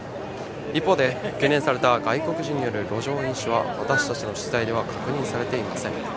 一方で、懸念された外国人の路上飲酒の姿は私たちの取材では確認されていません。